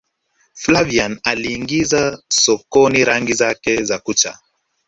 flaviana aliingiza sokoni rangi zake za kucha